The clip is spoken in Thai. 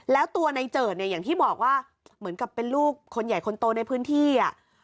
แล้วตัวในเจิดเนี่ยอย่างที่บอกว่าเหมือนกับเป็นลูกคนใหญ่คนโตในพื้นที่อ่ะ